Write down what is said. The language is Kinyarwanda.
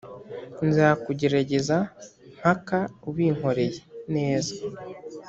Nzakugerageza mpaka ubinkoreye neza